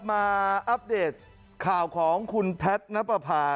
อัปเดตข่าวของคุณแพทย์นับประพา